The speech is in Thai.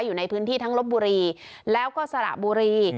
อยู่ในพื้นที่ทั้งลบบุรีแล้วก็สระบุรี